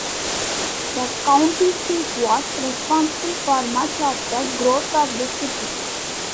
The county seat was responsible for much of the growth of the city.